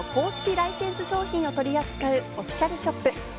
ライセンス商品を取り扱うオフィシャルショップ